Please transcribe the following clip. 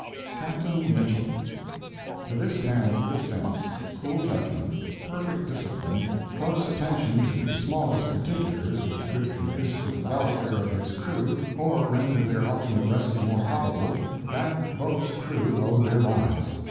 CAPTAIN MITCHELL To this man's good sense, cool judgment, perfect discipline, close attention to the smallest particulars which could conduce to the welfare of his crew or render their ultimate rescue more probable, that boat's crew owe their lives.